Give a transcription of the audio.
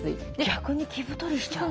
逆に着太りしちゃう。